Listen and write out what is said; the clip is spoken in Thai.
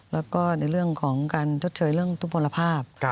แล้วก็ในเรื่องของการชดเชยเรื่องทุกผลภาพ